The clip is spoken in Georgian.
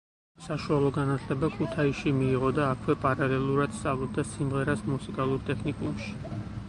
საშუალო განათლება ქუთაისში მიიღო და აქვე პარალელურად სწავლობდა სიმღერას მუსიკალურ ტექნიკუმში.